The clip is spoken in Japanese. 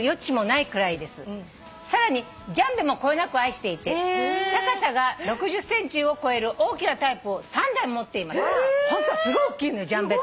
「さらにジャンベもこよなく愛していて高さが６０ｃｍを超える大きなタイプを３台持っています」ホントはすごい大きいのよジャンベって。